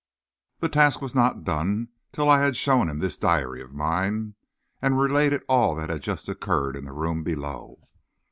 The task was not done till I had shown him this diary of mine, and related all that had just occurred in the room below.